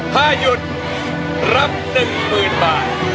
ถ้าหยุดรับหนึ่งหมื่นบาท